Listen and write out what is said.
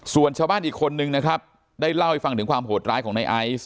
ส่วนชาวบ้านอีกคนนึงนะครับได้เล่าให้ฟังถึงความโหดร้ายของในไอซ์